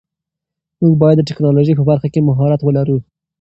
موږ باید د ټیکنالوژۍ په برخه کې مهارت ولرو.